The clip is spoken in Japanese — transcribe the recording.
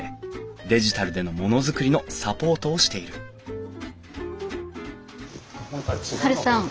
デジタルでのものづくりのサポートをしているハルさん。